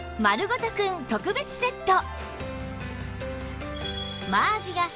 ごとくん特別セット